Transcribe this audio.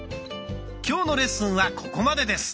今日のレッスンはここまでです。